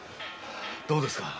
どうですか？